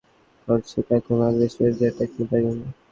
নাকি ওরা যার দিকে আঙুল তাক করছে তাকে মারবে, যেটা কি না তুই?